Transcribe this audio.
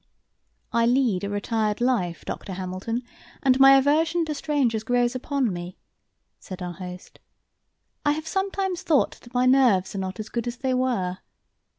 "I lead a retired life, Dr. Hamilton, and my aversion to strangers grows upon me," said our host. "I have sometimes thought that my nerves are not so good as they were.